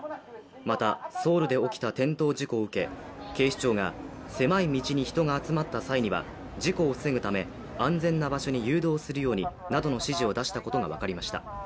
また、ソウルで起きた転倒事故を受け、警視庁が狭い道に人が集まった際には事故を防ぐため安全な場所に誘導するようになどの指示を出したことが分かりました。